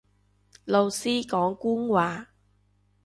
老師講官話